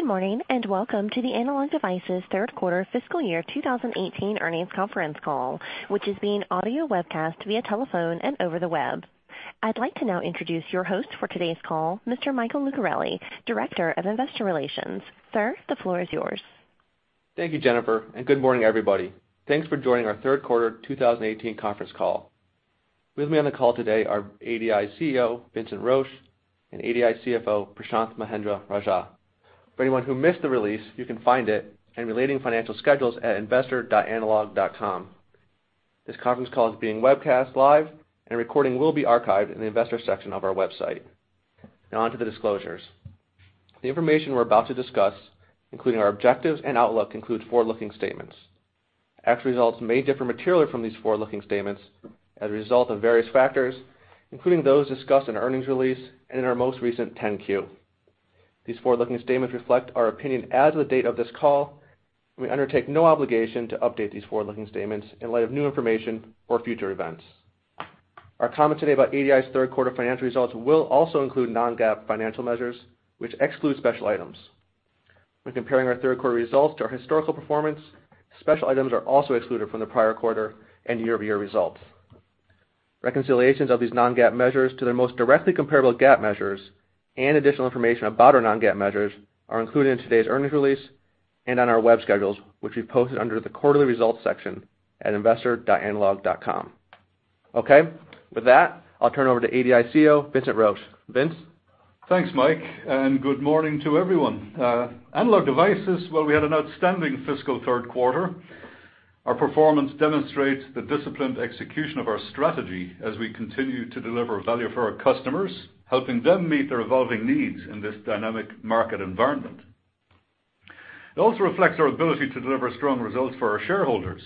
Good morning. Welcome to the Analog Devices third quarter fiscal year 2018 earnings conference call, which is being audio webcast via telephone and over the web. I'd like to now introduce your host for today's call, Mr. Michael Lucarelli, Director of Investor Relations. Sir, the floor is yours. Thank you, Jennifer. Good morning, everybody. Thanks for joining our third quarter 2018 conference call. With me on the call today are ADI's CEO, Vincent Roche, and ADI CFO, Prashanth Mahendra-Rajah. For anyone who missed the release, you can find it and relating financial schedules at investor.analog.com. This conference call is being webcast live. A recording will be archived in the investor section of our website. Now on to the disclosures. The information we're about to discuss, including our objectives and outlook, includes forward-looking statements. Actual results may differ materially from these forward-looking statements as a result of various factors, including those discussed in our earnings release and in our most recent 10-Q. These forward-looking statements reflect our opinion as of the date of this call. We undertake no obligation to update these forward-looking statements in light of new information or future events. Our comments today about ADI's third quarter financial results will also include non-GAAP financial measures, which exclude special items. When comparing our third quarter results to our historical performance, special items are also excluded from the prior quarter and year-over-year results. Reconciliations of these non-GAAP measures to their most directly comparable GAAP measures and additional information about our non-GAAP measures are included in today's earnings release and on our web schedules, which we've posted under the Quarterly Results section at investor.analog.com. Okay. With that, I'll turn over to ADI CEO, Vincent Roche. Vince? Thanks, Mike. Good morning to everyone. Analog Devices, we had an outstanding fiscal third quarter. Our performance demonstrates the disciplined execution of our strategy as we continue to deliver value for our customers, helping them meet their evolving needs in this dynamic market environment. It also reflects our ability to deliver strong results for our shareholders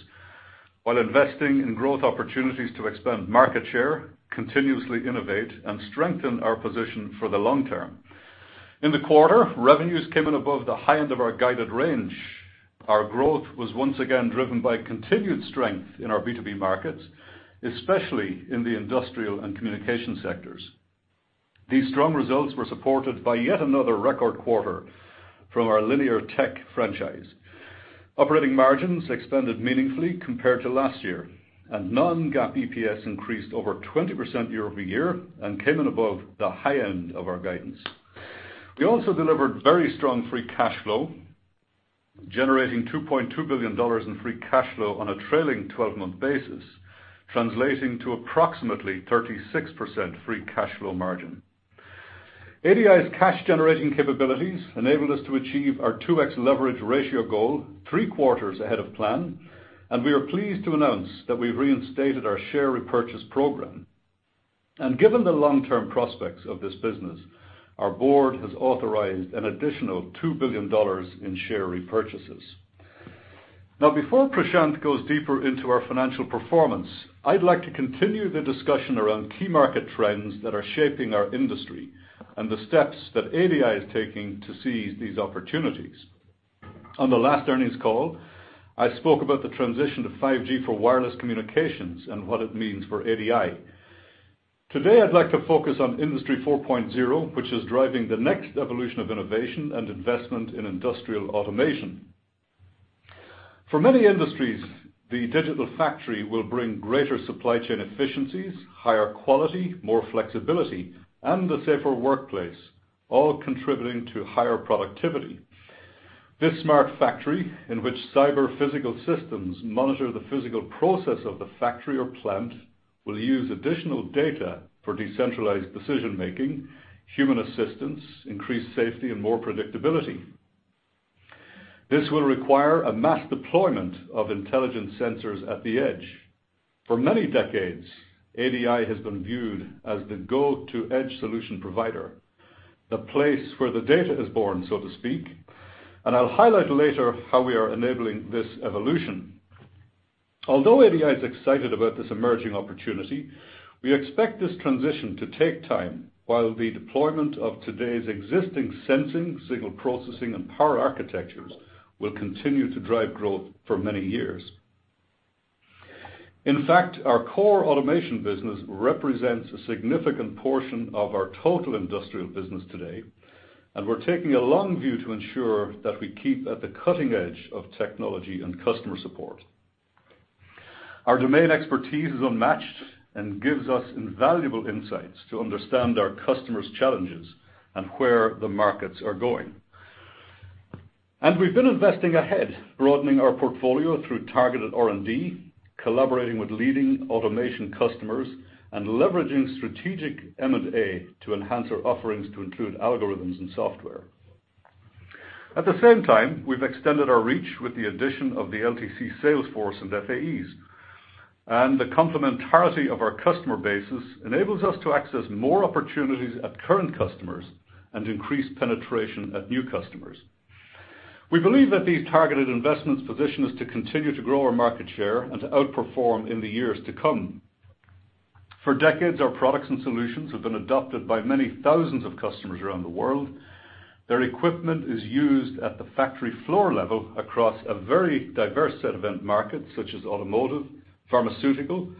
while investing in growth opportunities to expand market share, continuously innovate, and strengthen our position for the long term. In the quarter, revenues came in above the high end of our guided range. Our growth was once again driven by continued strength in our B2B markets, especially in the industrial and communication sectors. These strong results were supported by yet another record quarter from our Linear Technology franchise. Operating margins expanded meaningfully compared to last year. Non-GAAP EPS increased over 20% year-over-year and came in above the high end of our guidance. We also delivered very strong free cash flow, generating $2.2 billion in free cash flow on a trailing 12-month basis, translating to approximately 36% free cash flow margin. ADI's cash-generating capabilities enabled us to achieve our 2x leverage ratio goal three quarters ahead of plan. We are pleased to announce that we've reinstated our share repurchase program. Given the long-term prospects of this business, our board has authorized an additional $2 billion in share repurchases. Now, before Prashanth goes deeper into our financial performance, I'd like to continue the discussion around key market trends that are shaping our industry and the steps that ADI is taking to seize these opportunities. On the last earnings call, I spoke about the transition to 5G for wireless communications and what it means for ADI. Today, I'd like to focus on Industry 4.0, which is driving the next evolution of innovation and investment in industrial automation. For many industries, the digital factory will bring greater supply chain efficiencies, higher quality, more flexibility, and a safer workplace, all contributing to higher productivity. This smart factory, in which cyber-physical systems monitor the physical process of the factory or plant, will use additional data for decentralized decision-making, human assistance, increased safety, and more predictability. This will require a mass deployment of intelligent sensors at the edge. For many decades, ADI has been viewed as the go-to edge solution provider, the place where the data is born, so to speak. I'll highlight later how we are enabling this evolution. Although ADI is excited about this emerging opportunity, we expect this transition to take time while the deployment of today's existing sensing, signal processing, and power architectures will continue to drive growth for many years. In fact, our core automation business represents a significant portion of our total industrial business today. We're taking a long view to ensure that we keep at the cutting edge of technology and customer support. Our domain expertise is unmatched and gives us invaluable insights to understand our customers' challenges and where the markets are going. We've been investing ahead, broadening our portfolio through targeted R&D, collaborating with leading automation customers, and leveraging strategic M&A to enhance our offerings to include algorithms and software. At the same time, we've extended our reach with the addition of the LTC sales force and FAEs. The complementarity of our customer bases enables us to access more opportunities at current customers and increase penetration at new customers. We believe that these targeted investments position us to continue to grow our market share and to outperform in the years to come. For decades, our products and solutions have been adopted by many thousands of customers around the world. Their equipment is used at the factory floor level across a very diverse set of end markets, such as automotive, pharmaceutical,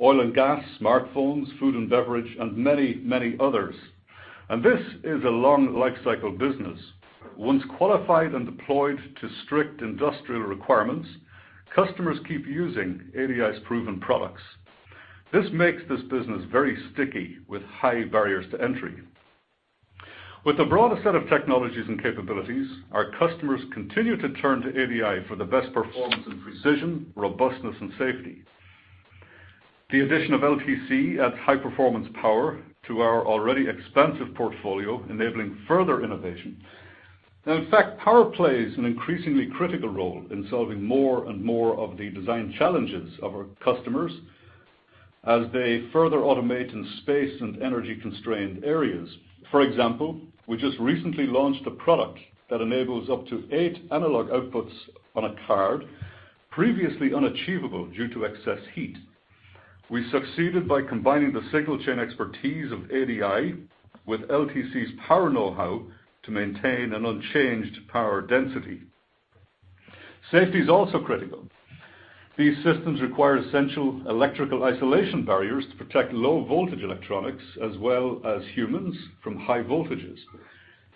oil and gas, smartphones, food and beverage, and many, many others. This is a long lifecycle business. Once qualified and deployed to strict industrial requirements, customers keep using ADI's proven products. This makes this business very sticky, with high barriers to entry. With a broad set of technologies and capabilities, our customers continue to turn to ADI for the best performance and precision, robustness, and safety. The addition of LTC adds high-performance power to our already expansive portfolio, enabling further innovation. In fact, power plays an increasingly critical role in solving more and more of the design challenges of our customers as they further automate in space and energy-constrained areas. For example, we just recently launched a product that enables up to eight analog outputs on a card, previously unachievable due to excess heat. We succeeded by combining the signal chain expertise of ADI with LTC's power know-how to maintain an unchanged power density. Safety is also critical. These systems require essential electrical isolation barriers to protect low-voltage electronics as well as humans from high voltages.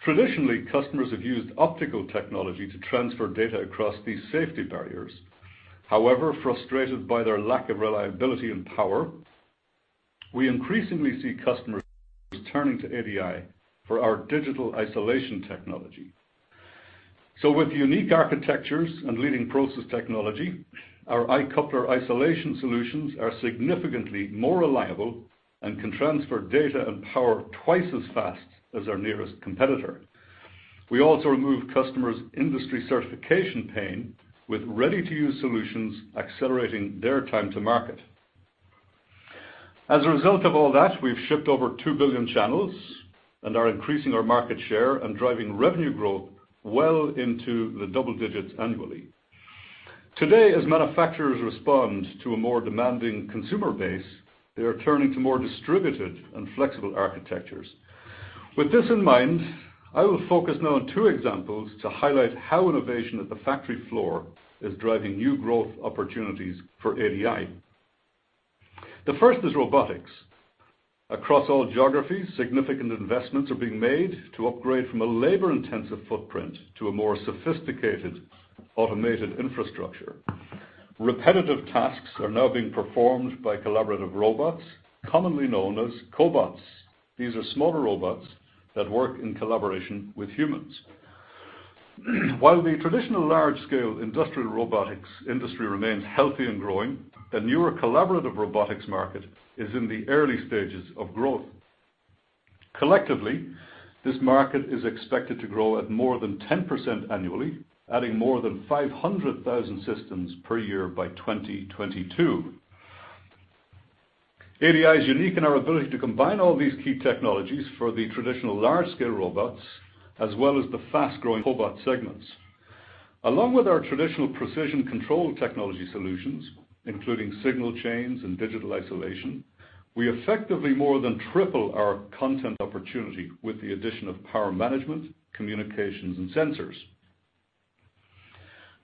Traditionally, customers have used optical technology to transfer data across these safety barriers. Frustrated by their lack of reliability and power, we increasingly see customers turning to ADI for our digital isolation technology. With unique architectures and leading process technology, our iCoupler isolation solutions are significantly more reliable and can transfer data and power twice as fast as our nearest competitor. We also remove customers' industry certification pain with ready-to-use solutions, accelerating their time to market. As a result of all that, we've shipped over 2 billion channels and are increasing our market share and driving revenue growth well into the double digits annually. Today, as manufacturers respond to a more demanding consumer base, they are turning to more distributed and flexible architectures. With this in mind, I will focus now on two examples to highlight how innovation at the factory floor is driving new growth opportunities for ADI. The first is robotics. Across all geographies, significant investments are being made to upgrade from a labor-intensive footprint to a more sophisticated automated infrastructure. Repetitive tasks are now being performed by collaborative robots, commonly known as cobots. These are smaller robots that work in collaboration with humans. While the traditional large-scale industrial robotics industry remains healthy and growing, the newer collaborative robotics market is in the early stages of growth. Collectively, this market is expected to grow at more than 10% annually, adding more than 500,000 systems per year by 2022. ADI is unique in our ability to combine all these key technologies for the traditional large-scale robots, as well as the fast-growing cobot segments. Along with our traditional precision control technology solutions, including signal chains and digital isolation, we effectively more than triple our content opportunity with the addition of power management, communications, and sensors.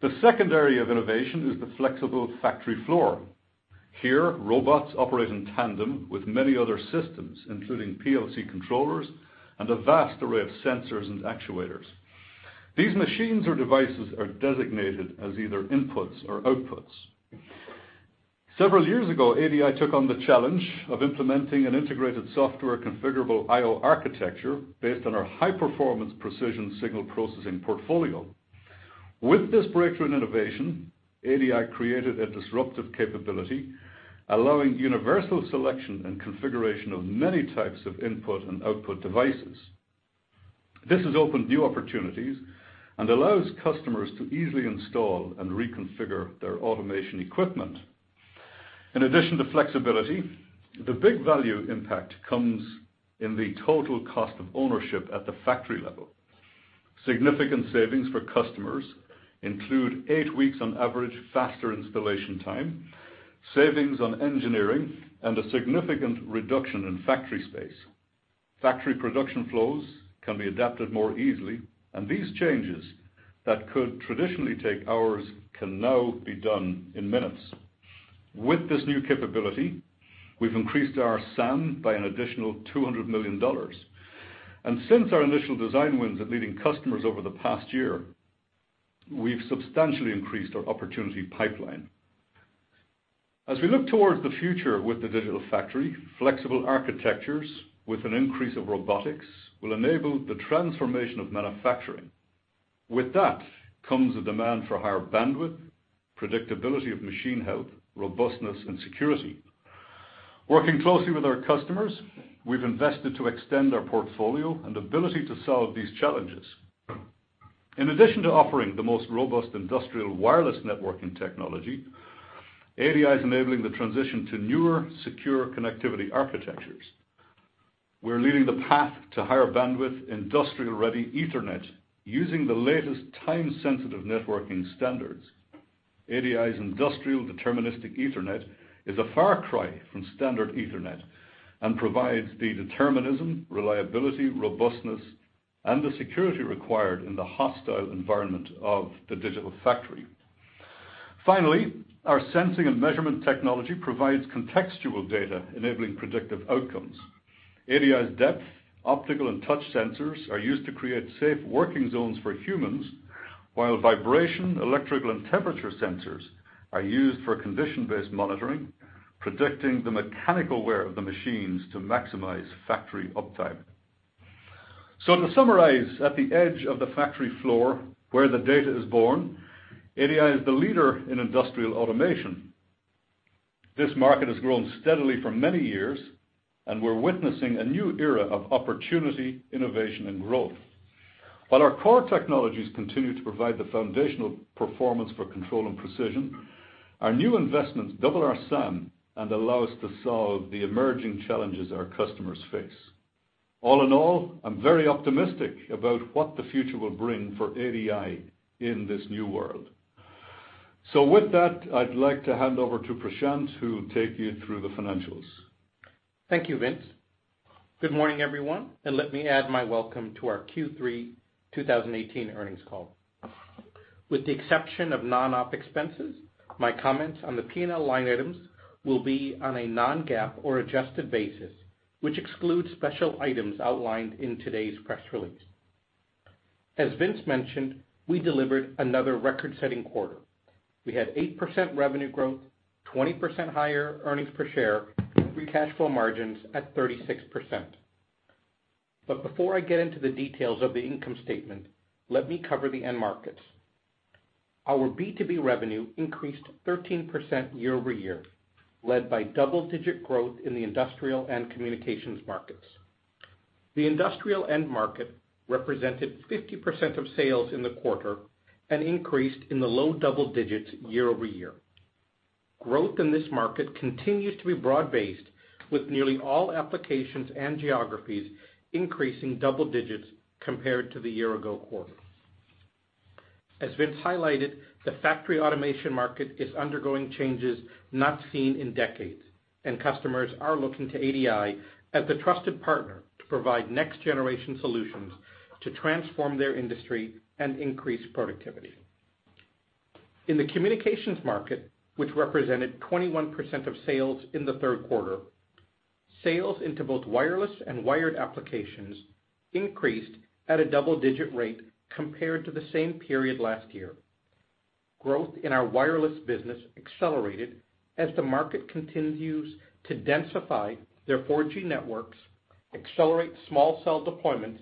The second area of innovation is the flexible factory floor. Here, robots operate in tandem with many other systems, including PLC controllers and a vast array of sensors and actuators. These machines or devices are designated as either inputs or outputs. Several years ago, ADI took on the challenge of implementing an integrated Software Configurable I/O architecture based on our high-performance precision signal processing portfolio. With this breakthrough in innovation, ADI created a disruptive capability, allowing universal selection and configuration of many types of input and output devices. This has opened new opportunities and allows customers to easily install and reconfigure their automation equipment. In addition to flexibility, the big value impact comes in the total cost of ownership at the factory level. Significant savings for customers include eight weeks on average faster installation time, savings on engineering, and a significant reduction in factory space. Factory production flows can be adapted more easily. These changes that could traditionally take hours can now be done in minutes. With this new capability, we've increased our SAM by an additional $200 million. Since our initial design wins with leading customers over the past year, we've substantially increased our opportunity pipeline. As we look towards the future with the digital factory, flexible architectures with an increase of robotics will enable the transformation of manufacturing. With that comes a demand for higher bandwidth, predictability of machine health, robustness, and security. Working closely with our customers, we've invested to extend our portfolio and ability to solve these challenges. In addition to offering the most robust industrial wireless networking technology, ADI is enabling the transition to newer, secure connectivity architectures. We're leading the path to higher bandwidth, industrial-ready Ethernet using the latest time-sensitive networking standards. ADI's industrial deterministic Ethernet is a far cry from standard Ethernet and provides the determinism, reliability, robustness and the security required in the hostile environment of the digital factory. Finally, our sensing and measurement technology provides contextual data enabling predictive outcomes. ADI's depth, optical and touch sensors are used to create safe working zones for humans, while vibration, electrical, and temperature sensors are used for condition-based monitoring, predicting the mechanical wear of the machines to maximize factory uptime. To summarize, at the edge of the factory floor, where the data is born, ADI is the leader in industrial automation. This market has grown steadily for many years, and we're witnessing a new era of opportunity, innovation, and growth. While our core technologies continue to provide the foundational performance for control and precision, our new investments double our SAM and allow us to solve the emerging challenges our customers face. All in all, I'm very optimistic about what the future will bring for ADI in this new world. With that, I'd like to hand over to Prashanth, who will take you through the financials. Thank you, Vince. Good morning, everyone. Let me add my welcome to our Q3 2018 earnings call. With the exception of non-op expenses, my comments on the P&L line items will be on a non-GAAP or adjusted basis, which excludes special items outlined in today's press release. As Vince mentioned, we delivered another record-setting quarter. We had 8% revenue growth, 20% higher earnings per share, free cash flow margins at 36%. Before I get into the details of the income statement, let me cover the end markets. Our B2B revenue increased 13% year-over-year, led by double-digit growth in the industrial and communications markets. The industrial end market represented 50% of sales in the quarter and increased in the low double digits year-over-year. Growth in this market continues to be broad-based, with nearly all applications and geographies increasing double digits compared to the year-ago quarter. As Vince highlighted, the factory automation market is undergoing changes not seen in decades. Customers are looking to ADI as a trusted partner to provide next-generation solutions to transform their industry and increase productivity. In the communications market, which represented 21% of sales in the third quarter, sales into both wireless and wired applications increased at a double-digit rate compared to the same period last year. Growth in our wireless business accelerated as the market continues to densify their 4G networks, accelerate small cell deployments,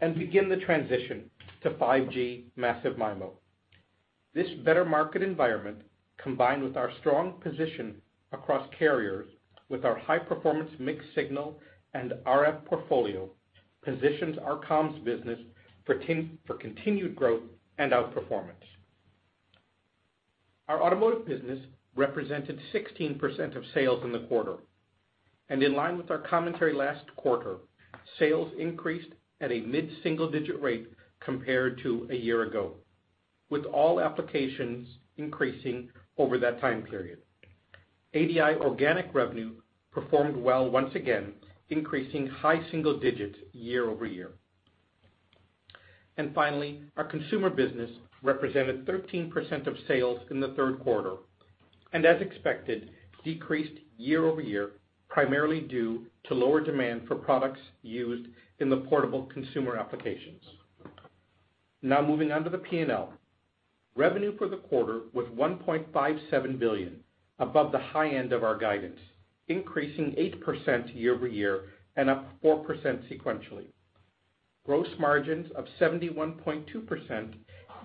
and begin the transition to 5G massive MIMO. This better market environment, combined with our strong position across carriers with our high-performance mixed-signal and RF portfolio, positions our comms business for continued growth and outperformance. Our automotive business represented 16% of sales in the quarter. In line with our commentary last quarter, sales increased at a mid-single digit rate compared to a year ago, with all applications increasing over that time period. ADI organic revenue performed well once again, increasing high single digits year over year. Finally, our consumer business represented 13% of sales in the third quarter, and as expected, decreased year over year, primarily due to lower demand for products used in portable consumer applications. Now moving on to the P&L. Revenue for the quarter was $1.57 billion, above the high end of our guidance, increasing 8% year over year and up 4% sequentially. Gross margins of 71.2%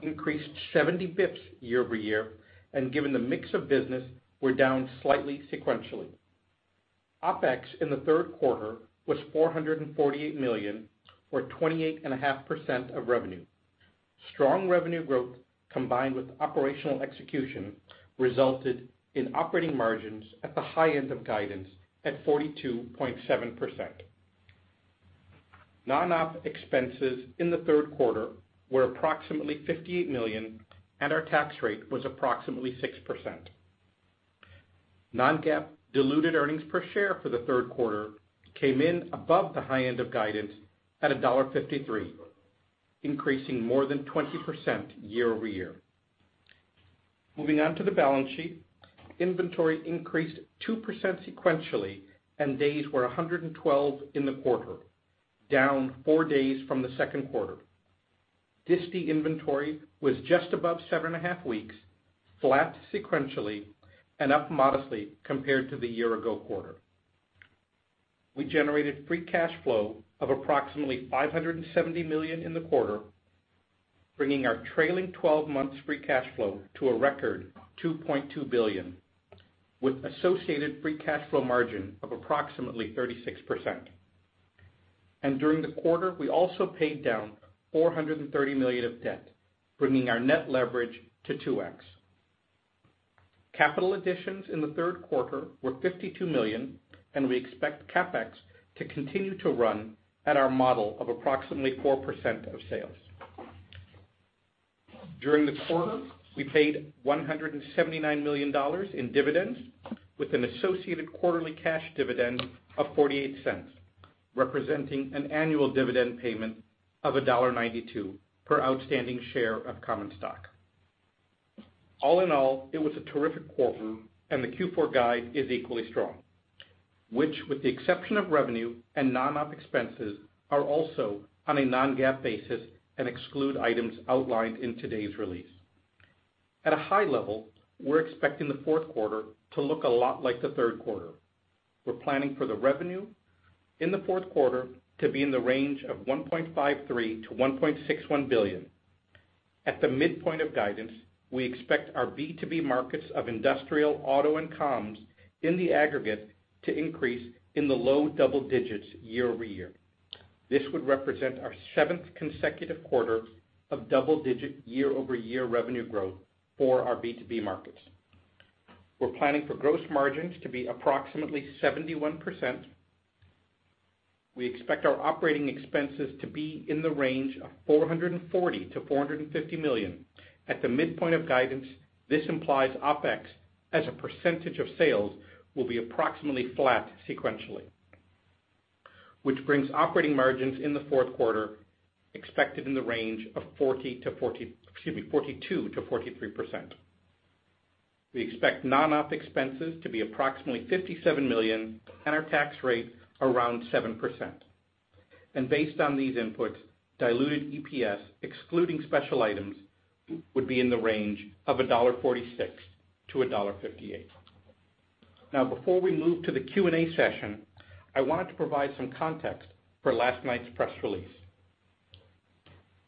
increased 70 bps year over year, and given the mix of business, were down slightly sequentially. OpEx in the third quarter was $448 million, or 28.5% of revenue. Strong revenue growth, combined with operational execution, resulted in operating margins at the high end of guidance at 42.7%. Non-op expenses in the third quarter were approximately $58 million, and our tax rate was approximately 6%. Non-GAAP diluted earnings per share for the third quarter came in above the high end of guidance at $1.53, increasing more than 20% year over year. Moving on to the balance sheet. Inventory increased 2% sequentially, and days were 112 in the quarter, down four days from the second quarter. disty inventory was just above seven and a half weeks, flat sequentially, and up modestly compared to the year-ago quarter. We generated free cash flow of approximately $570 million in the quarter, bringing our trailing 12 months free cash flow to a record $2.2 billion, with associated free cash flow margin of approximately 36%. During the quarter, we also paid down $430 million of debt, bringing our net leverage to 2x. Capital additions in the third quarter were $52 million, and we expect CapEx to continue to run at our model of approximately 4% of sales. During the quarter, we paid $179 million in dividends with an associated quarterly cash dividend of $0.48, representing an annual dividend payment of $1.92 per outstanding share of common stock. All in all, it was a terrific quarter, and the Q4 guide is equally strong, which, with the exception of revenue and non-op expenses, are also on a non-GAAP basis and exclude items outlined in today's release. At a high level, we're expecting the fourth quarter to look a lot like the third quarter. We're planning for the revenue in the fourth quarter to be in the range of $1.53 billion-$1.61 billion. At the midpoint of guidance, we expect our B2B markets of industrial, auto, and comms in the aggregate to increase in the low double digits year-over-year. This would represent our seventh consecutive quarter of double-digit year-over-year revenue growth for our B2B markets. We're planning for gross margins to be approximately 71%. We expect our operating expenses to be in the range of $440 million-$450 million. At the midpoint of guidance, this implies OpEx as a percentage of sales will be approximately flat sequentially, which brings operating margins in the fourth quarter expected in the range of 42%-43%. We expect non-op expenses to be approximately $57 million and our tax rate around 7%. Based on these inputs, diluted EPS, excluding special items, would be in the range of $1.46-$1.58. Before we move to the Q&A session, I wanted to provide some context for last night's press release.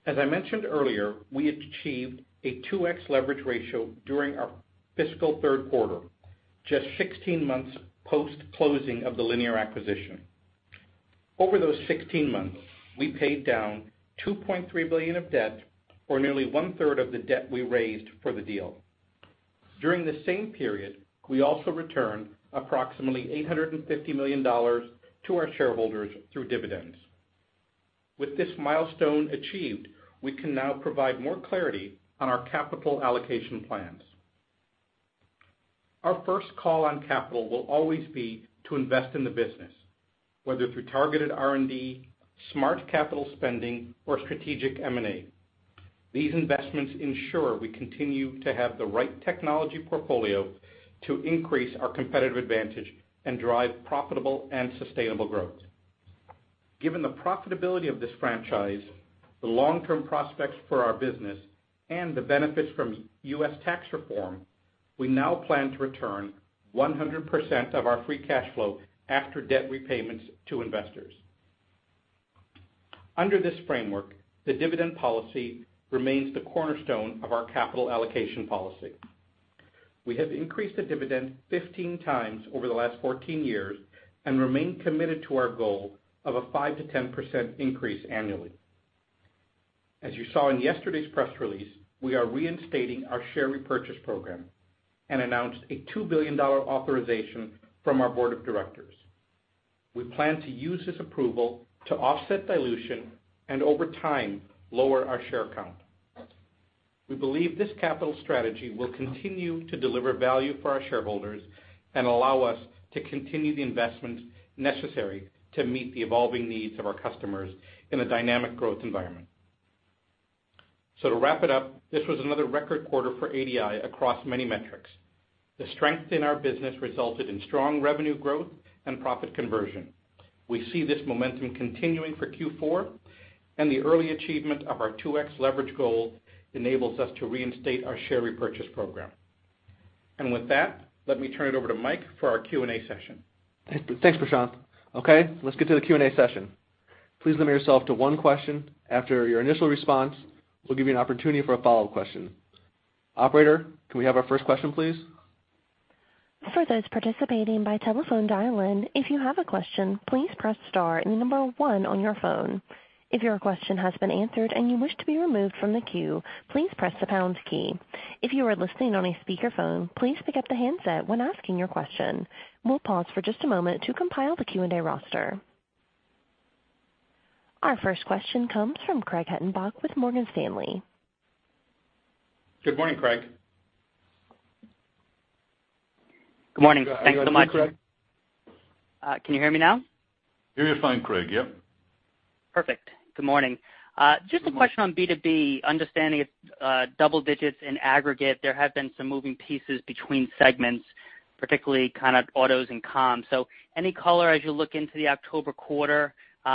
As I mentioned earlier, we achieved a 2x leverage ratio during our fiscal third quarter, just 16 months post-closing of the Linear acquisition. Over those 16 months, we paid down $2.3 billion of debt, or nearly one-third of the debt we raised for the deal. During the same period, we also returned approximately $850 million to our shareholders through dividends. With this milestone achieved, we can now provide more clarity on our capital allocation plans. Our first call on capital will always be to invest in the business, whether through targeted R&D, smart capital spending, or strategic M&A. These investments ensure we continue to have the right technology portfolio to increase our competitive advantage and drive profitable and sustainable growth. Given the profitability of this franchise, the long-term prospects for our business, and the benefits from U.S. tax reform, we now plan to return 100% of our free cash flow after debt repayments to investors. Under this framework, the dividend policy remains the cornerstone of our capital allocation policy. We have increased the dividend 15 times over the last 14 years and remain committed to our goal of a 5%-10% increase annually. As you saw in yesterday's press release, we are reinstating our share repurchase program and announced a $2 billion authorization from our board of directors. We plan to use this approval to offset dilution and over time, lower our share count. We believe this capital strategy will continue to deliver value for our shareholders and allow us to continue the investments necessary to meet the evolving needs of our customers in a dynamic growth environment. To wrap it up, this was another record quarter for ADI across many metrics. The strength in our business resulted in strong revenue growth and profit conversion. We see this momentum continuing for Q4, and the early achievement of our 2x leverage goal enables us to reinstate our share repurchase program. With that, let me turn it over to Mike for our Q&A session. Thanks, Prashanth. Let's get to the Q&A session. Please limit yourself to one question. After your initial response, we'll give you an opportunity for a follow-up question. Operator, can we have our first question, please? For those participating by telephone dial-in, if you have a question, please press star and the number 1 on your phone. If your question has been answered and you wish to be removed from the queue, please press the pound key. If you are listening on a speakerphone, please pick up the handset when asking your question. We'll pause for just a moment to compile the Q&A roster. Our first question comes from Craig Hettenbach with Morgan Stanley. Good morning, Craig. Good morning. Thanks so much. How are you doing, Craig? Can you hear me now? Hear you fine, Craig. Yep. Perfect. Good morning. Good morning. Just a question on B2B, understanding it's double-digits in aggregate. There have been some moving pieces between segments, particularly kind of autos and comms. Any color as you look into the October quarter, just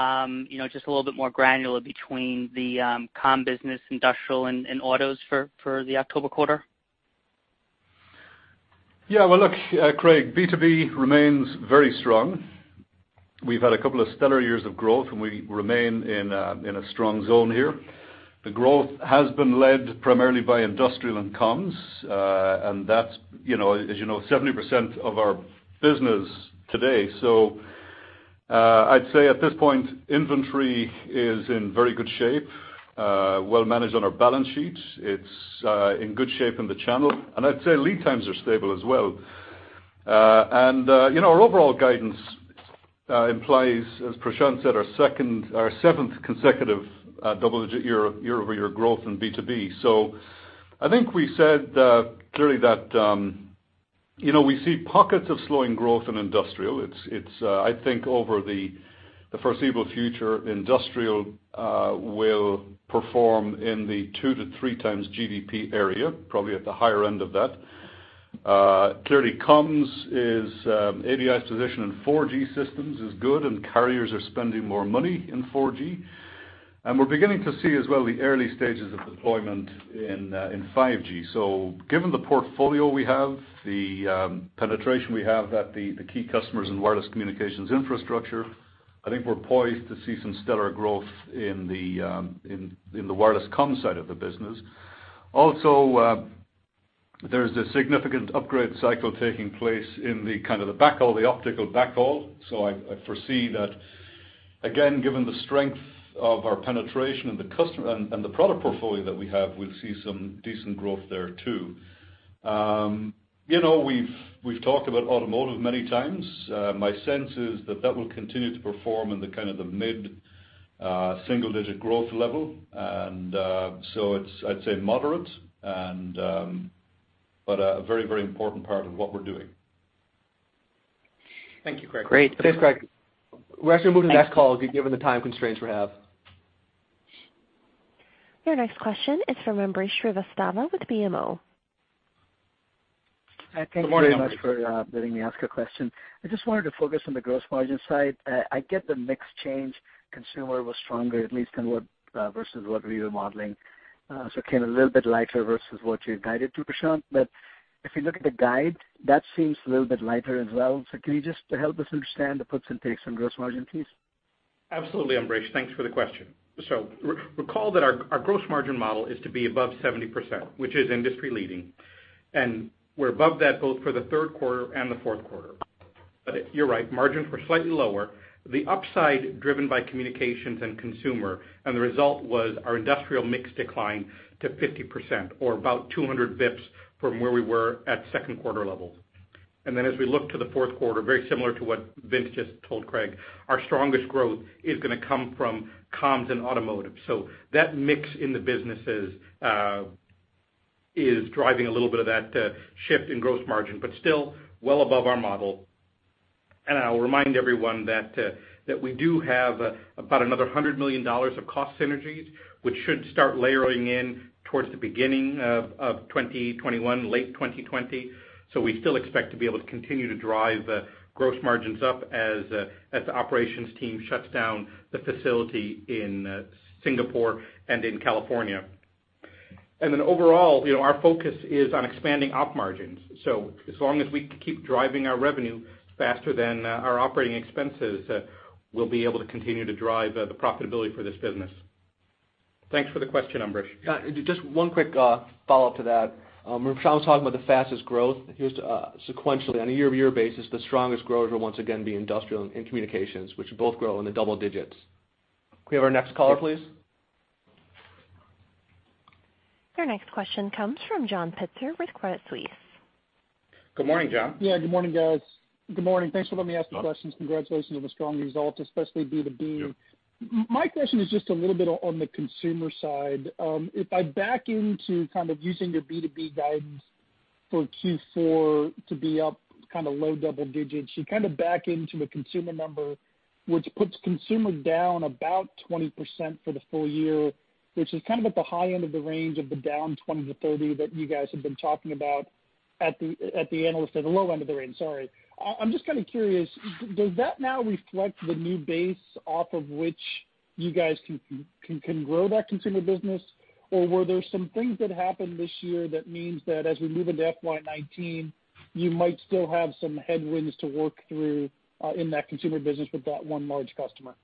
a little bit more granular between the comms business, industrial and autos for the October quarter? Well, look, Craig, B2B remains very strong. We've had a couple of stellar years of growth. We remain in a strong zone here. The growth has been led primarily by industrial and comms. That's, as you know, 70% of our business today. I'd say at this point, inventory is in very good shape, well managed on our balance sheet. It's in good shape in the channel. I'd say lead times are stable as well. Our overall guidance implies, as Prashanth said, our seventh consecutive double-digit year-over-year growth in B2B. I think we said clearly that we see pockets of slowing growth in industrial. I think over the foreseeable future, industrial will perform in the two to three times GDP area, probably at the higher end of that. Clearly, ADI's position in 4G systems is good. Carriers are spending more money in 4G. We're beginning to see as well the early stages of deployment in 5G. Given the portfolio we have, the penetration we have at the key customers in wireless communications infrastructure, I think we're poised to see some stellar growth in the wireless comms side of the business. There's the significant upgrade cycle taking place in the optical backhaul. I foresee that, again, given the strength of our penetration and the product portfolio that we have, we'll see some decent growth there too. We've talked about automotive many times. My sense is that that will continue to perform in the mid-single-digit growth level. It's, I'd say moderate, but a very important part of what we're doing. Thank you, Craig. Great. Thanks, Craig. We're actually moving to next call, given the time constraints we have. Your next question is from Ambrish Srivastava with BMO. Good morning, Ambrish. Thank you very much for letting me ask a question. I just wanted to focus on the gross margin side. I get the mix change. Consumer was stronger, at least versus what we were modeling. It came a little bit lighter versus what you had guided to, Prashanth. If you look at the guide, that seems a little bit lighter as well. Can you just help us understand the puts and takes on gross margin, please? Absolutely, Ambrish. Thanks for the question. Recall that our gross margin model is to be above 70%, which is industry leading, and we're above that both for the third quarter and the fourth quarter. You're right, margins were slightly lower, the upside driven by communications and consumer, and the result was our industrial mix declined to 50% or about 200 bps from where we were at second quarter levels. As we look to the fourth quarter, very similar to what Vince just told Craig, our strongest growth is going to come from comms and automotive. That mix in the businesses is driving a little bit of that shift in gross margin, but still well above our model. I'll remind everyone that we do have about another $100 million of cost synergies, which should start layering in towards the beginning of 2021, late 2020. We still expect to be able to continue to drive gross margins up as the operations team shuts down the facility in Singapore and in California. Overall, our focus is on expanding Op margins. As long as we can keep driving our revenue faster than our operating expenses, we'll be able to continue to drive the profitability for this business. Thanks for the question, Ambrish. Just one quick follow-up to that. When Prashanth was talking about the fastest growth, sequentially on a year-over-year basis, the strongest growth will once again be industrial and communications, which will both grow in the double digits. Can we have our next caller, please? Your next question comes from John Pitzer with Credit Suisse. Good morning, John. Yeah, good morning, guys. Good morning. Thanks for letting me ask the questions. Sure. Congratulations on the strong results, especially B2B. Yeah. My question is just a little bit on the consumer side. If I back into kind of using your B2B guidance for Q4 to be up low double digits, you kind of back into a consumer number, which puts consumer down about 20% for the full year, which is at the high end of the range of the down 20%-30% that you guys have been talking about at the low end of the range. I'm just kind of curious, does that now reflect the new base off of which you guys can grow that consumer business? Or were there some things that happened this year that means that as we move into FY 2019, you might still have some headwinds to work through, in that consumer business with that one large customer?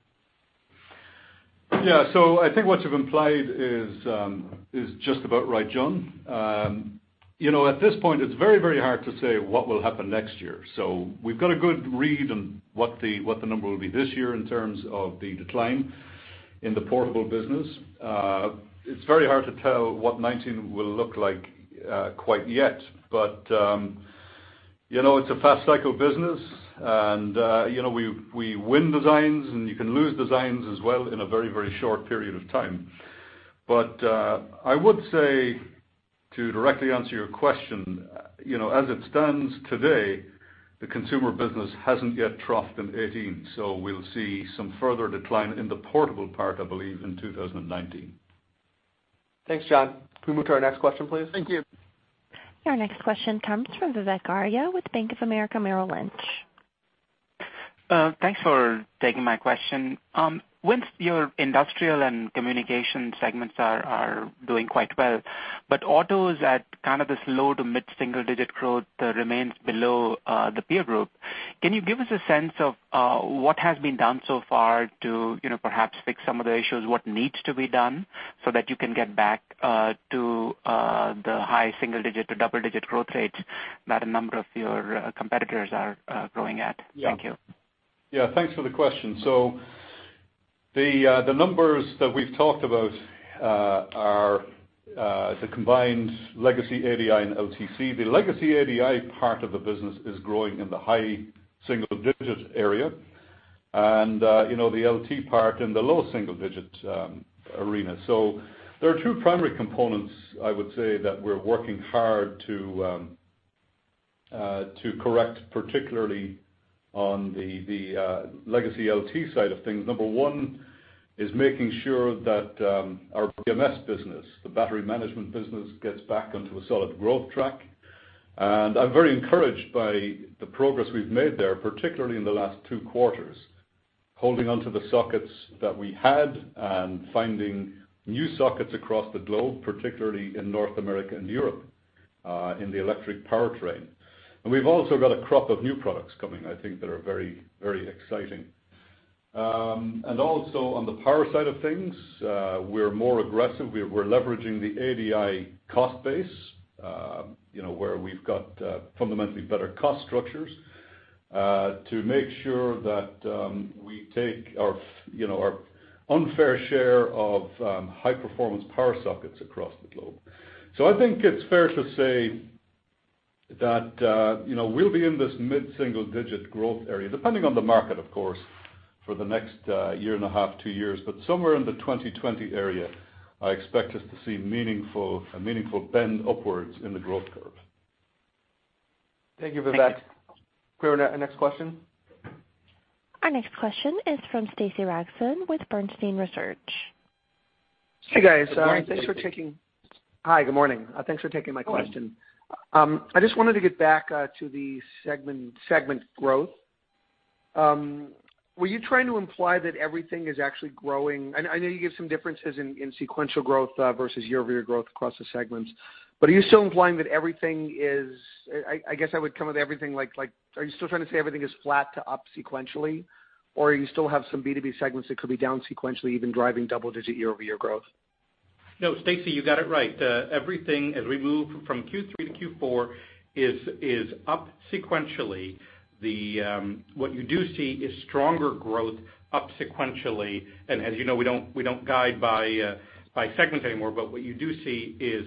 Yeah. I think what you've implied is just about right, John. At this point it's very hard to say what will happen next year. We've got a good read on what the number will be this year in terms of the decline in the portable business. It's very hard to tell what 2019 will look like quite yet. It's a fast cycle business, and we win designs, and you can lose designs as well in a very short period of time. I would say to directly answer your question, as it stands today, the consumer business hasn't yet troughed in 2018, so we'll see some further decline in the portable part, I believe, in 2019. Thanks, John. Can we move to our next question, please? Thank you. Our next question comes from Vivek Arya with Bank of America Merrill Lynch. Thanks for taking my question. Vince, your industrial and communication segments are doing quite well, autos at kind of this low to mid single digit growth remains below the peer group. Can you give us a sense of what has been done so far to perhaps fix some of the issues, what needs to be done so that you can get back to the high single digit to double-digit growth rates that a number of your competitors are growing at? Yeah. Thank you. Yeah, thanks for the question. The numbers that we've talked about are the combined legacy ADI and LTC. The legacy ADI part of the business is growing in the high single-digit area, the LT part in the low single-digit arena. There are two primary components I would say that we're working hard to correct, particularly on the legacy LT side of things. Number one is making sure that our BMS business, the battery management business, gets back onto a solid growth track. I'm very encouraged by the progress we've made there, particularly in the last two quarters, holding onto the sockets that we had and finding new sockets across the globe, particularly in North America and Europe, in the electric powertrain. We've also got a crop of new products coming, I think that are very exciting. Also on the power side of things, we're more aggressive. We're leveraging the ADI cost base, where we've got fundamentally better cost structures, to make sure that we take our unfair share of high-performance power sockets across the globe. I think it's fair to say that we'll be in this mid-single digit growth area, depending on the market, of course, for the next one and a half, two years. Somewhere in the 2020 area, I expect us to see a meaningful bend upwards in the growth curve. Thank you for that. Can we go to our next question? Our next question is from Stacy Rasgon with Bernstein Research. Hey, guys. Hi, Stacy. Hi. Good morning. Thanks for taking my question. I just wanted to get back to the segment growth. Were you trying to imply that everything is actually growing? I know you give some differences in sequential growth versus year-over-year growth across the segments, but are you still implying that everything is, I guess I would come with everything like, are you still trying to say everything is flat to up sequentially, or you still have some B2B segments that could be down sequentially, even driving double-digit year-over-year growth? No, Stacy, you got it right. Everything as we move from Q3 to Q4 is up sequentially. What you do see is stronger growth up sequentially. As you know, we don't guide by segment anymore, but what you do see is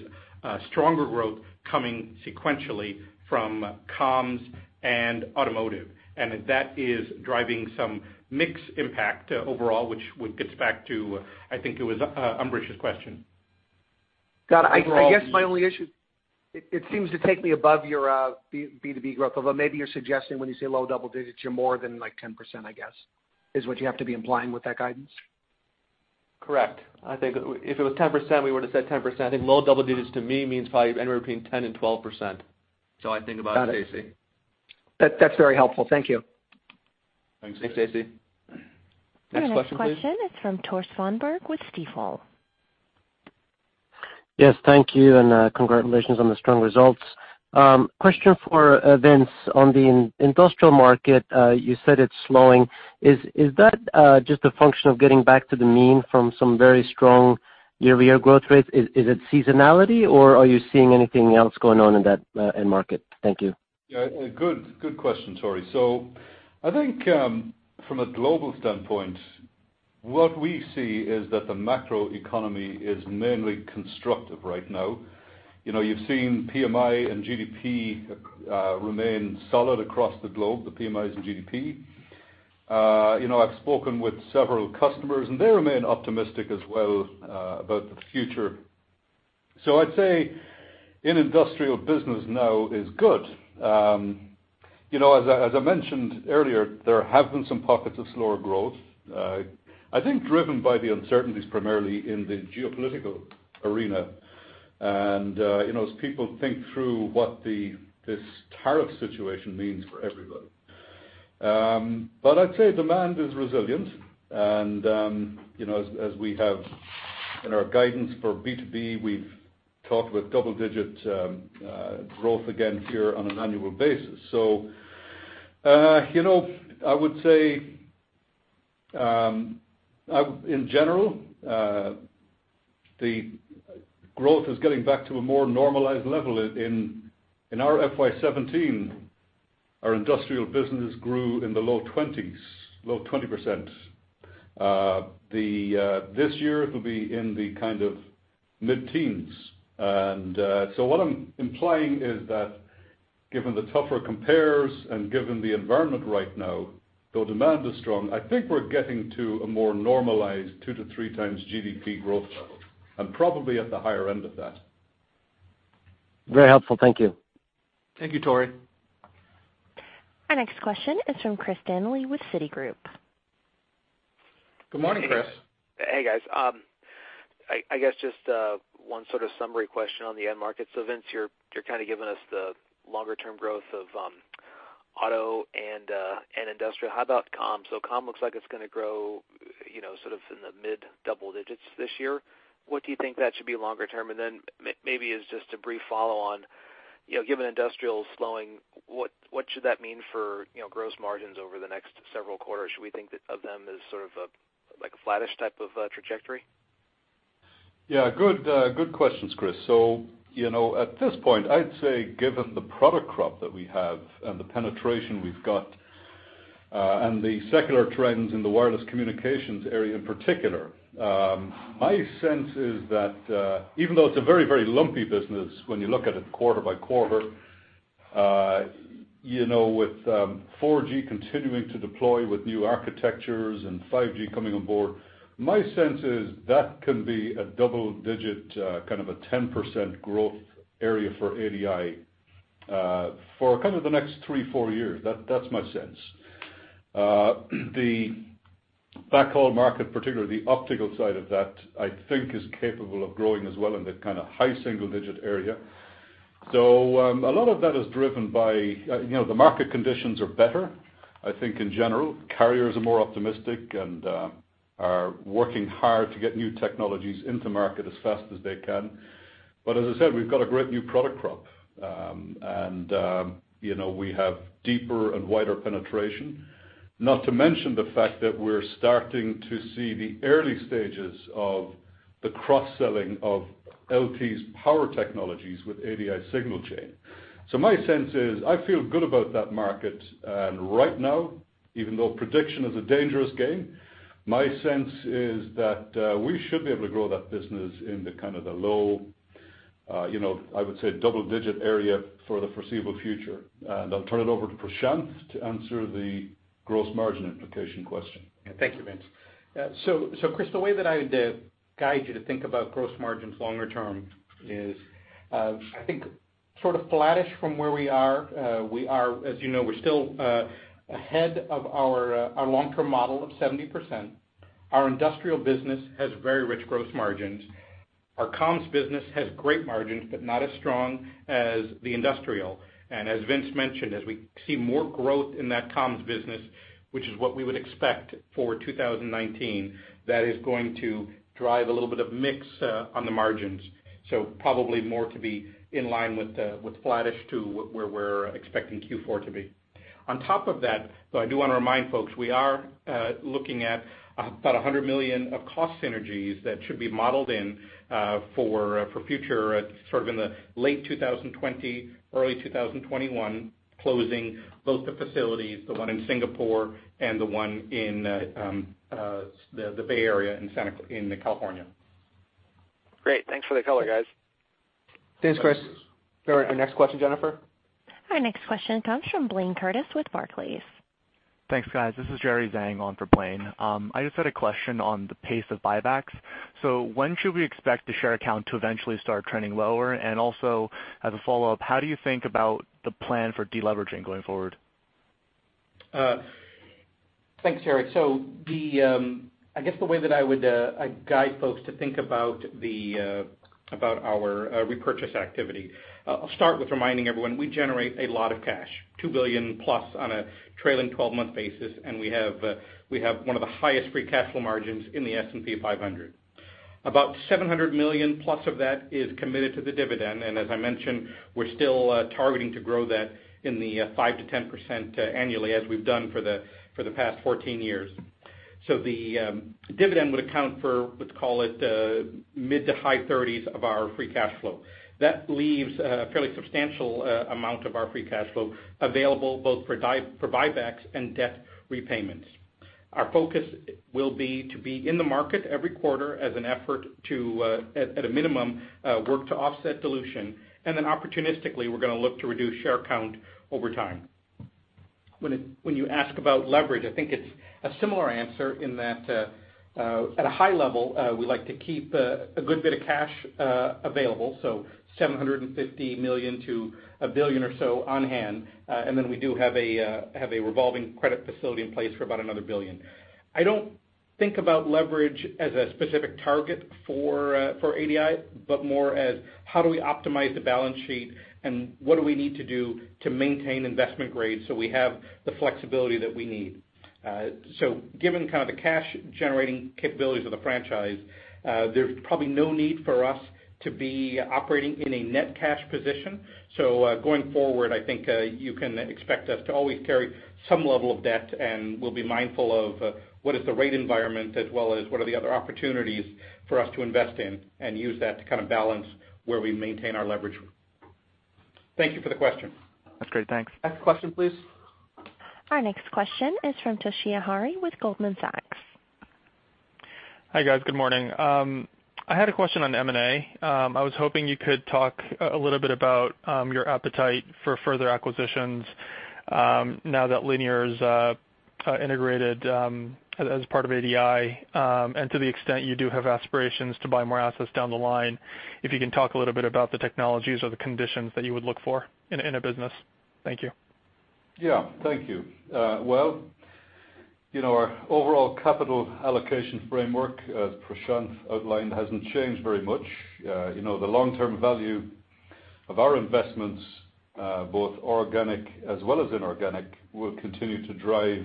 stronger growth coming sequentially from comms and automotive. That is driving some mix impact overall, which would get back to, I think it was Ambrish's question. Got it. I guess my only issue, it seems to take me above your B2B growth, although maybe you're suggesting when you say low double digits, you're more than 10%, I guess. Is what you have to be implying with that guidance? Correct. I think if it was 10%, we would've said 10%. I think low double digits to me means probably anywhere between 10% and 12%. I think about, Stacy. Got it. That's very helpful. Thank you. Thanks, Stacy. Next question, please. Our next question is from Tore Svanberg with Stifel. Yes, thank you, and congratulations on the strong results. Question for Vince on the industrial market, you said it's slowing. Is that just a function of getting back to the mean from some very strong year-over-year growth rates? Is it seasonality, or are you seeing anything else going on in that end market? Thank you. Yeah. Good question, Tore. I think from a global standpoint, what we see is that the macro economy is mainly constructive right now. You've seen PMI and GDP remain solid across the globe, the PMIs and GDP. I've spoken with several customers, and they remain optimistic as well about the future. I'd say in industrial business now is good. As I mentioned earlier, there have been some pockets of slower growth, I think driven by the uncertainties primarily in the geopolitical arena, and as people think through what this tariff situation means for everybody. I'd say demand is resilient, and as we have in our guidance for B2B, we've talked with double-digit growth again here on an annual basis. I would say, in general, the growth is getting back to a more normalized level. In our FY 2017, our industrial business grew in the low 20s, low 20%. This year, it'll be in the kind of mid-teens. What I'm implying is that given the tougher compares and given the environment right now, though demand is strong, I think we're getting to a more normalized two to three times GDP growth level, and probably at the higher end of that. Very helpful. Thank you. Thank you, Tore. Our next question is from Christopher Danely with Citigroup. Good morning, Chris. Hey, guys. I guess just one sort of summary question on the end markets. Vince, you're kind of giving us the longer-term growth of auto and industrial. How about comms? Comm looks like it's going to grow sort of in the mid-double digits this year. What do you think that should be longer term? Maybe as just a brief follow on, given industrial is slowing, what should that mean for gross margins over the next several quarters? Should we think of them as sort of a flattish type of trajectory? Good questions, Chris. At this point, I'd say given the product crop that we have and the penetration we've got, and the secular trends in the wireless communications area in particular, my sense is that, even though it's a very lumpy business when you look at it quarter by quarter, with 4G continuing to deploy with new architectures and 5G coming on board, my sense is that can be a double-digit, kind of a 10% growth area for ADI for kind of the next three, four years. That's my sense. The backhaul market, particularly the optical side of that, I think is capable of growing as well in the kind of high single-digit area. A lot of that is driven by, the market conditions are better, I think in general. Carriers are more optimistic and are working hard to get new technologies into market as fast as they can. As I said, we've got a great new product crop. We have deeper and wider penetration. Not to mention the fact that we're starting to see the early stages of the cross-selling of LTC's power technologies with ADI signal chain. My sense is, I feel good about that market. Right now, even though prediction is a dangerous game, my sense is that we should be able to grow that business in the kind of the low, I would say double-digit area for the foreseeable future. I'll turn it over to Prashanth to answer the gross margin implication question. Thank you, Vince. Chris, the way that I would guide you to think about gross margins longer term is, I think sort of flattish from where we are. As you know, we're still ahead of our long-term model of 70%. Our industrial business has very rich gross margins. Our comms business has great margins, but not as strong as the industrial. As Vince mentioned, as we see more growth in that comms business, which is what we would expect for 2019, that is going to drive a little bit of mix on the margins. Probably more to be in line with flattish to where we're expecting Q4 to be. On top of that, though, I do want to remind folks, we are looking at about $100 million of cost synergies that should be modeled in for future, sort of in the late 2020, early 2021, closing both the facilities, the one in Singapore and the one in the Bay Area in California. Great. Thanks for the color, guys. Thanks, Chris. Our next question, Jennifer? Our next question comes from Blayne Curtis with Barclays. Thanks, guys. This is Jerry Zhang on for Blayne. I just had a question on the pace of buybacks. When should we expect the share count to eventually start trending lower? Also, as a follow-up, how do you think about the plan for de-leveraging going forward? Thanks, Jerry. I guess the way that I would guide folks to think about our repurchase activity, I'll start with reminding everyone, we generate a lot of cash, $2 billion-plus on a trailing 12-month basis, and we have one of the highest free cash flow margins in the S&P 500. About $700 million-plus of that is committed to the dividend, and as I mentioned, we're still targeting to grow that in the 5%-10% annually, as we've done for the past 14 years. The dividend would account for, let's call it, mid to high 30s of our free cash flow. That leaves a fairly substantial amount of our free cash flow available both for buybacks and debt repayments. Our focus will be to be in the market every quarter as an effort to, at a minimum, work to offset dilution, opportunistically, we're going to look to reduce share count over time. When you ask about leverage, I think it's a similar answer in that, at a high level, we like to keep a good bit of cash available, $750 million to $1 billion or so on-hand. We do have a revolving credit facility in place for about another $1 billion. I don't think about leverage as a specific target for ADI, but more as how do we optimize the balance sheet, and what do we need to do to maintain investment grade so we have the flexibility that we need? Given kind of the cash-generating capabilities of the franchise, there's probably no need for us to be operating in a net cash position. Going forward, I think you can expect us to always carry some level of debt, and we'll be mindful of what is the rate environment, as well as what are the other opportunities for us to invest in and use that to kind of balance where we maintain our leverage. Thank you for the question. That's great. Thanks. Next question, please. Our next question is from Toshiya Hari with Goldman Sachs. Hi, guys. Good morning. I had a question on M&A. I was hoping you could talk a little bit about your appetite for further acquisitions now that Linear's integrated as part of ADI. To the extent you do have aspirations to buy more assets down the line, if you can talk a little bit about the technologies or the conditions that you would look for in a business. Thank you. Yeah. Thank you. Well, our overall capital allocation framework, as Prashanth outlined, hasn't changed very much. The long-term value of our investments, both organic as well as inorganic, will continue to drive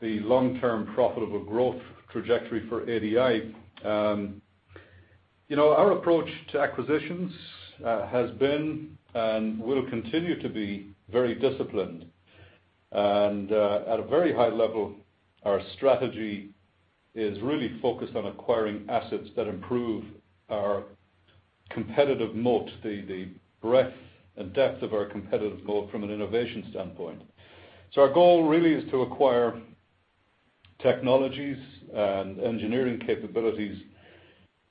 the long-term profitable growth trajectory for ADI. Our approach to acquisitions has been, and will continue to be very disciplined At a very high level, our strategy is really focused on acquiring assets that improve our competitive moat, the breadth and depth of our competitive moat from an innovation standpoint. Our goal really is to acquire technologies and engineering capabilities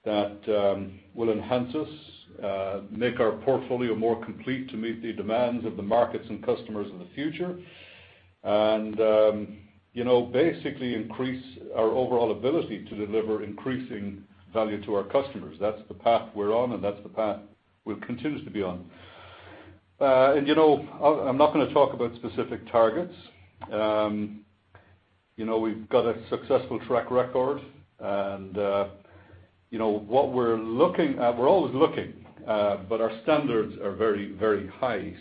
that will enhance us, make our portfolio more complete to meet the demands of the markets and customers of the future, and basically increase our overall ability to deliver increasing value to our customers. That's the path we're on, and that's the path we'll continue to be on. I'm not going to talk about specific targets. We've got a successful track record, and what we're looking at, we're always looking, but our standards are very high.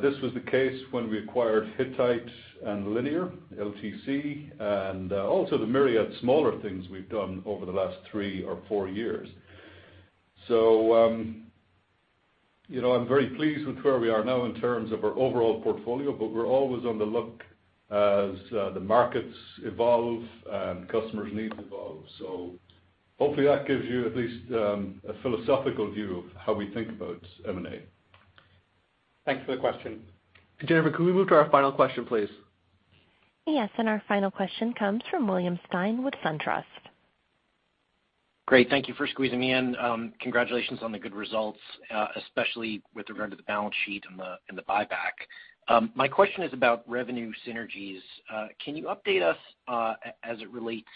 This was the case when we acquired Hittite and Linear, LTC, and also the myriad smaller things we've done over the last three or four years. I'm very pleased with where we are now in terms of our overall portfolio, but we're always on the look as the markets evolve and customers' needs evolve. Hopefully that gives you at least a philosophical view of how we think about M&A. Thanks for the question. Jennifer, can we move to our final question, please? Yes. Our final question comes from William Stein with SunTrust. Great. Thank you for squeezing me in. Congratulations on the good results, especially with regard to the balance sheet and the buyback. My question is about revenue synergies. Can you update us as it relates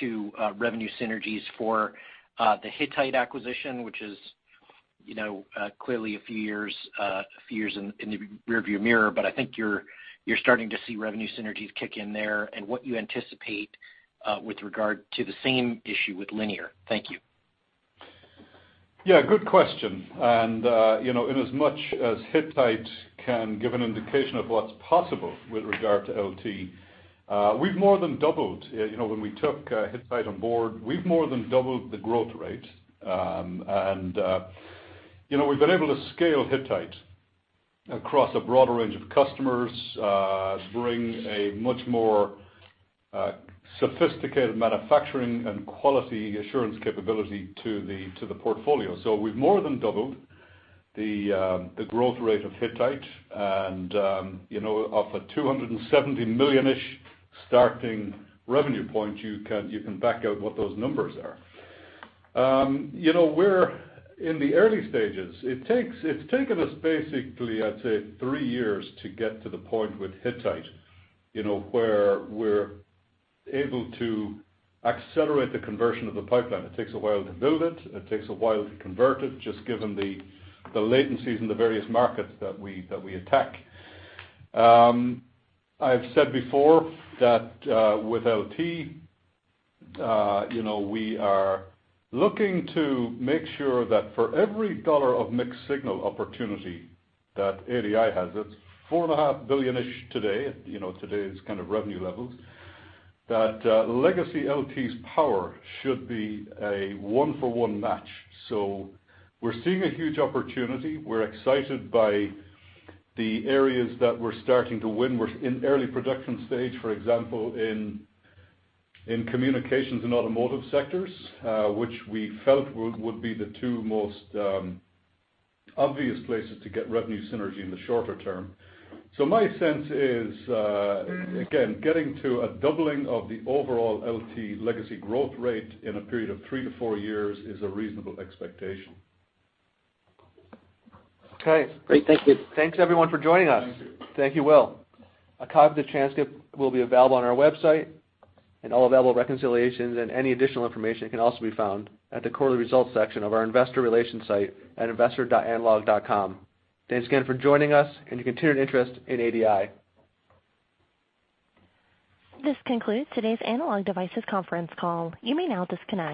to revenue synergies for the Hittite acquisition, which is clearly a few years in the rear-view mirror, but I think you're starting to see revenue synergies kick in there, and what you anticipate with regard to the same issue with Linear. Thank you. Yeah, good question. Inasmuch as Hittite can give an indication of what's possible with regard to LT, when we took Hittite on board, we've more than doubled the growth rate. We've been able to scale Hittite across a broader range of customers, bring a much more sophisticated manufacturing and quality assurance capability to the portfolio. We've more than doubled the growth rate of Hittite, and off a $270 million-ish starting revenue point, you can back out what those numbers are. We're in the early stages. It's taken us basically, I'd say, 3 years to get to the point with Hittite where we're able to accelerate the conversion of the pipeline. It takes a while to build it. It takes a while to convert it, just given the latencies in the various markets that we attack. I've said before that with LT we are looking to make sure that for every dollar of mixed-signal opportunity that ADI has, it's $4.5 billion-ish today at today's kind of revenue levels, that legacy LT's power should be a one-for-one match. We're seeing a huge opportunity. We're excited by the areas that we're starting to win. We're in early production stage, for example, in communications and automotive sectors, which we felt would be the 2 most obvious places to get revenue synergy in the shorter term. My sense is, again, getting to a doubling of the overall LT legacy growth rate in a period of 3 to 4 years is a reasonable expectation. Okay. Great. Thank you. Thanks, everyone, for joining us. Thank you Will. A copy of the transcript will be available on our website, and all available reconciliations and any additional information can also be found at the quarterly results section of our investor relations site at investor.analog.com. Thanks again for joining us and your continued interest in ADI. This concludes today's Analog Devices conference call. You may now disconnect.